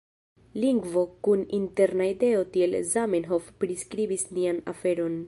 Lingvo kun interna ideo tiel Zamenhof priskribis nian aferon.